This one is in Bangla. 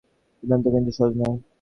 সিদ্ধান্তটা কিন্তু সহজ নয়।